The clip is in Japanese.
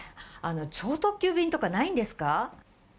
超特急便とかないんですか？